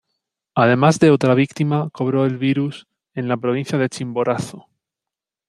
Además de otra víctima cobró el virus en la provincia de Chimborazo.